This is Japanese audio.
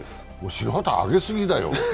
白旗揚げすぎだよ。